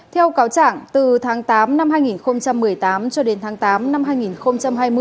theo cáo chẳng từ tháng tám năm hai nghìn một mươi tám cho đến tháng tám năm hai nghìn hai mươi